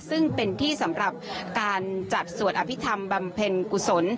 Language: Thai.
ซึ่งเป็นที่สำหรับการจัดสวดอภิษฐรรมบำเพ็ญกุศล